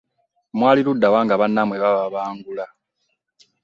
Mwali ludda wa nga bannammwe bababangula?